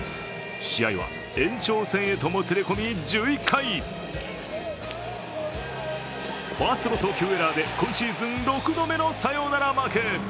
試合は、延長戦へともつれ込み１１回ファーストの送球エラーで今シーズン６度目のサヨナラ負け。